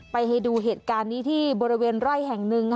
ให้ดูเหตุการณ์นี้ที่บริเวณไร่แห่งหนึ่ง